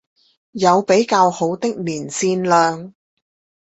有比較好的連線量